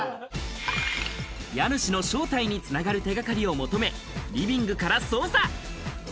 家主の正体に繋がる手掛かりを求め、リビングから捜査。